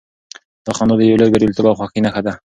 دا خندا د يو لوی برياليتوب او خوښۍ نښه وه.